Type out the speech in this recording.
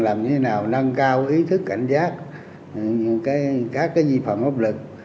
làm như thế nào nâng cao ý thức cảnh giác các di phạm hấp lực